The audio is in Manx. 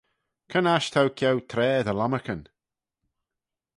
Cre'n aght t'ou ceau traa dty lomarcan?